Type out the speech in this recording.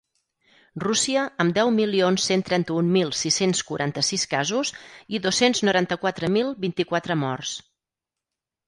Rússia, amb deu milions cent trenta-un mil sis-cents quaranta-sis casos i dos-cents noranta-quatre mil vint-i-quatre morts.